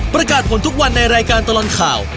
ประกาศผลทุกวันในรายการตลอดข่าว